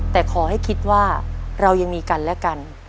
แต่ขอให้คิดว่าเรายังมีกันและกัน